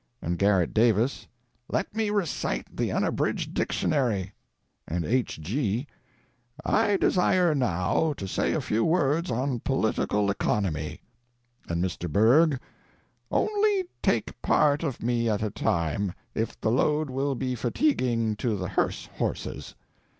And Garret Davis, "Let me recite the unabridged dictionary." And H. G., "I desire, now, to say a few words on political economy." And Mr. Bergh, "Only take part of me at a time, if the load will be fatiguing to the hearse horses."